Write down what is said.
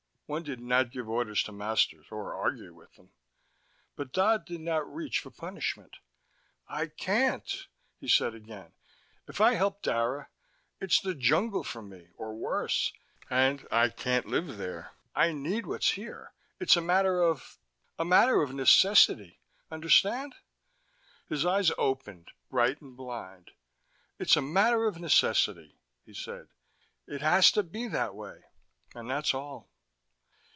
One did not give orders to masters, or argue with them. But Dodd did not reach for punishment. "I can't," he said again. "If I help Dara, it's the jungle for me, or worse. And I can't live there. I need what's here. It's a matter of a matter of necessity. Understand?" His eyes opened, bright and blind. "It's a matter of necessity," he said. "It has to be that way, and that's all."